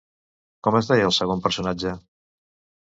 Com es deia el segon personatge?